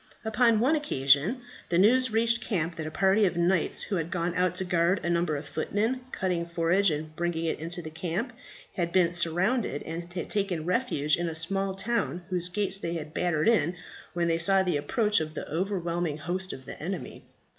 Upon one occasion the news reached camp that a party of knights, who had gone out to guard a number of footmen cutting forage and bringing it into camp, had been surrounded and had taken refuge in a small town, whose gates they had battered in when they saw the approach of an overwhelming host of the enemy.